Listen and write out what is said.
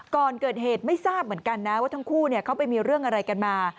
ก่อนเกิดเหตุไม่ทราบเหมือนกันนะว่าทั้งคู่เขาไปมีเรื่องอะไรกันมา